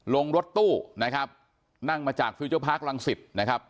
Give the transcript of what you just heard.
รถตู้นะครับนั่งมาจากฟิวเจอร์พาร์คลังศิษย์นะครับ